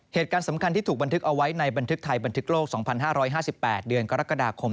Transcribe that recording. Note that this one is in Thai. เหตุการณ์สำคัญที่ถูกบันทึกเอาไว้ในบันทึกไทยบันทึกโลก๒๕๕๘เดือนกรกฎาคม